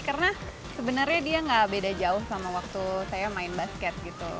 karena sebenarnya dia gak beda jauh sama waktu saya main basket gitu